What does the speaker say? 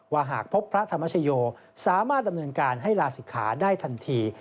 หากพบพระธรรมชโยสามารถดำเนินการให้ลาศิกขาได้ทันที